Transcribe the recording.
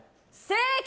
正解！